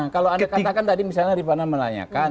kalau anda katakan tadi misalnya riffana melayakan